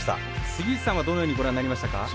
杉内さんはどのようにご覧になりましたか？